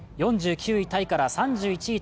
４９位タイから３１位